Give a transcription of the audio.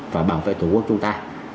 và bảo vệ tổ quốc chúng ta